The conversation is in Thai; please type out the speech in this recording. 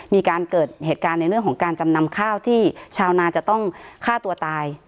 มีการเกิดเหตุการณ์ในเรื่องของการจำนำข้าวที่ชาวนาจะต้องฆ่าตัวตาย